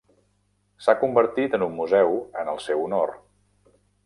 S"ha convertit en un museu en el seu honor.